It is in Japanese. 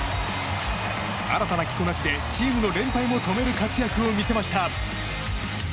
新たな着こなしで、チームの連敗も止める活躍を見せました。